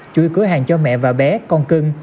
chúi cửa hàng cho mẹ và bé con cưng